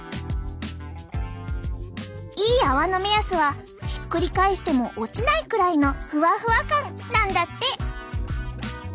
いい泡の目安はひっくり返しても落ちないくらいのふわふわ感なんだって。